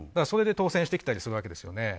それで当選してきたりするわけですよね。